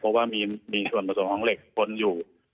เพราะว่ามีส่วนผสมของเหล็กคนอยู่